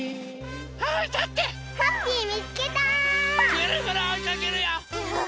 ぐるぐるおいかけるよ！